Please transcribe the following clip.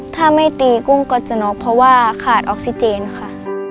ถ้าไม่ตีกุ้งก็จะน็อกเพราะว่าขาดออกซิเจนค่ะ